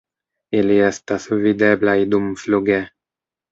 Ili estas videblaj dumfluge.